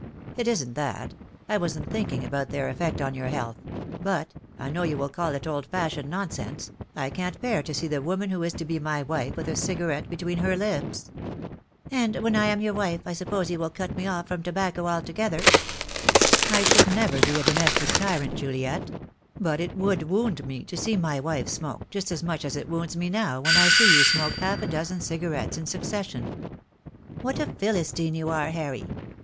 "It isn't that. I wasn't thinking about their effect on your health; but — I know you will call it old fashioned 314 THE DAY WILL COME. nonsense — I can't bear to see the woman who is to be my wife with a cigarette between her lips." "And when I am your wife, I suppose you will cut me off from tobacco altogether." "I should never be a domestic tyrant, Juliet — but it would wound me to see my wife smoke, just as much as it wounds me now when I see you smoke half a dozen cigarettes in succession." "What a Philistine you are, Harry!